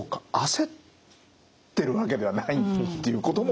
焦ってるわけではないっていうこともね